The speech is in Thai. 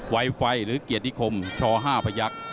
ไวไฟหรือเกียรตินิคมช๕พยักษ์